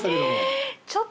えっ！？